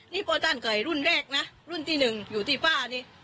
นี่พ่อท่านไขวัดรุ่นแรกนะรุ่นที่๑อยู่ที่ป้านี่